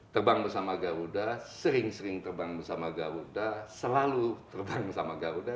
terbang bersama garuda sering sering terbang bersama garuda selalu tertarung sama garuda